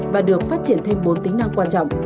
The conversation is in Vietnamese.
và được phát triển thêm bốn tính năng quan trọng